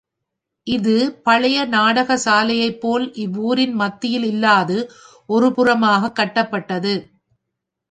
இது பழைய நாடக சாலையைப் போல் இவ்வூரின் மத்தியில் இல்லாது ஒரு புறமாகக் கட்டப்பட்டது.